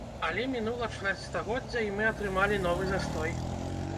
Але мінула чвэрць стагоддзя, і мы атрымалі новы застой.